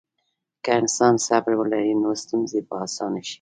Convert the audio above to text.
که انسان صبر ولري، نو ستونزې به اسانه شي.